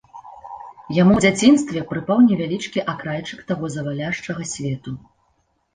Яму ў дзяцінстве прыпаў невялічкі акрайчык таго заваляшчага свету.